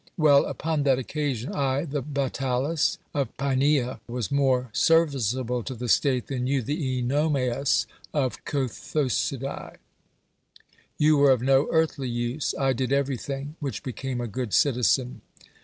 Well; upon that occasion I the Batalus of P^eania was more serv iceable to the state than you the CEnomaus cf CothocidaB. You were of no earthly use; I did everything which became a good citizen.